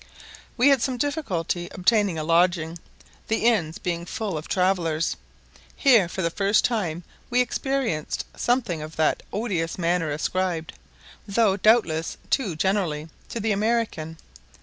We had some difficulty obtaining a lodging, the inns being full of travellers; here, for the first time we experienced something of that odious manner ascribed, though doubtless too generally, to the American.